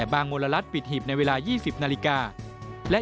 สำหรับการเลือกตั้ง๒๕๖๒